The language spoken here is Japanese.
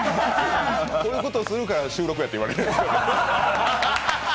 こういうことをするから、収録やって言われるんですよね。